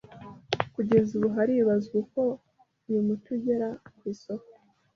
Kugeza ubu haribazwa uko uyu muti ugera ku isoko